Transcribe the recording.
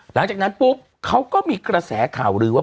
หลังจากนั้นปุ๊บเขาก็มีกระแสข่าวลือว่า